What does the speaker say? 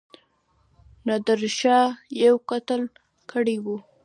نادرشاه یو قتل کړی وو.